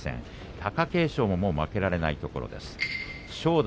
貴景勝ももう負けられないところです。